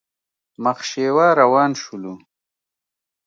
مخ شېوه روان شولو.